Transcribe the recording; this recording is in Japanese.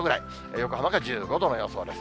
横浜が１５度の予想です。